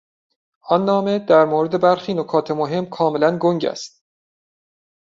آن نامه در مورد برخی نکات مهم کاملا گنگ است.